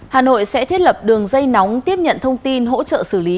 hà nội sẽ thiết lập đường dây nóng tiếp nhận thông tin hỗ trợ xử lý